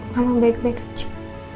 mama baik baik aja